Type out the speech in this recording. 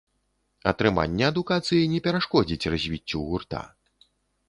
Атрыманне адукацыі не перашкодзіць развіццю гурта.